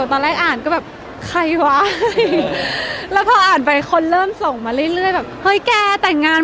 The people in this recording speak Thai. อันล้าสุดน่าจะเรียกมีความช่วยว่าแต่งงานเพราะว่าพี่จะแต่งงานก่อน